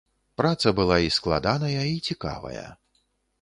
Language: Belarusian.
Праца была і складаная, і цікавая.